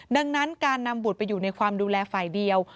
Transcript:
ดังนั้นการนำบุตรไปอยู่ในความดูแลฝ่ายเดียว